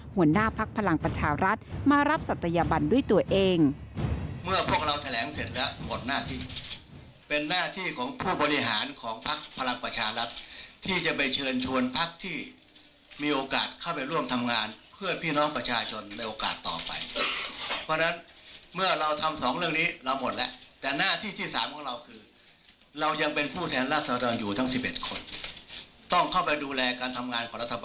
หัวหน้าพักพลังประชารัฐมารับศัตยบันด้วยตัวเอง